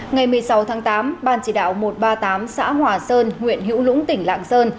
ngày một mươi sáu tháng tám ban chỉ đạo một trăm ba mươi tám xã hòa sơn huyện hữu lũng tỉnh lạng sơn